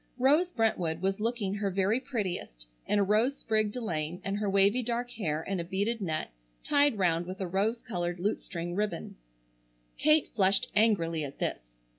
Rose Brentwood was looking her very prettiest in a rose sprigged delaine and her wavy dark hair in a beaded net tied round with a rose colored lute string ribbon. Kate flushed angrily at this.